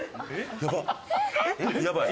やばっ！